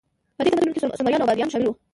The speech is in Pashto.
په دې تمدنونو کې سومریان او بابلیان شامل وو.